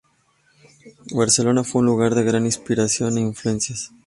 Barcelona fue un lugar de gran inspiración e influencias.